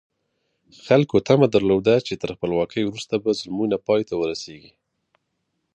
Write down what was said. خلکو تمه درلوده چې تر خپلواکۍ وروسته به ظلمونه پای ته ورسېږي.